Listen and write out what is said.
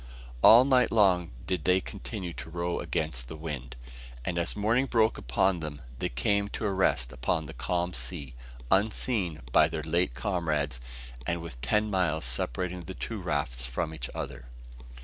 All night long did they continue to row against the wind; and as morning broke upon them, they came to a rest upon the calm sea, unseen by their late comrades, and with ten miles separating the two rafts from each other.